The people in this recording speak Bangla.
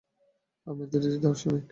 আপনি তো দেখছি দার্শনিক।